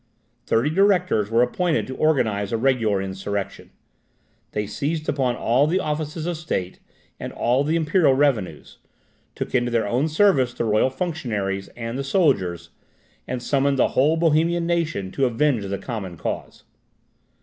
Thirty directors were appointed to organise a regular insurrection. They seized upon all the offices of state, and all the imperial revenues, took into their own service the royal functionaries and the soldiers, and summoned the whole Bohemian nation to avenge the common cause.